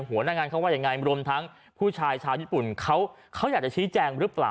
หัวหน้างานเขาว่ายังไงรวมทั้งผู้ชายชาวญี่ปุ่นเขาอยากจะชี้แจงหรือเปล่า